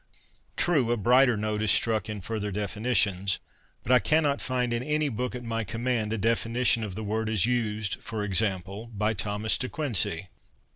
True, a brighter note is struck in further definitions ; but I cannot find in any book at my command a defini tion of the word as used, for example, by Thomas De Quincey.